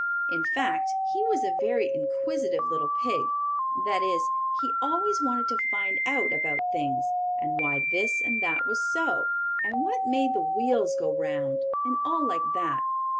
In fact he was a very inquisitive little pig that is, he always wanted to find out about things, and why this and that was so, and what made the wheels go around, and all like that.